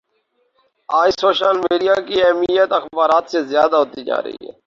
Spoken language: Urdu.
آج سوشل میڈیا کی اہمیت اخبارات سے زیادہ ہوتی جا رہی ہے